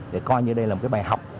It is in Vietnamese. để coi như đây là một bài học